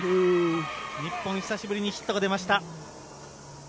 日本、久しぶりにヒットが出ました。